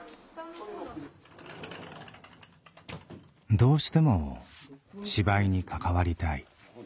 どうしても芝居に関わりたい。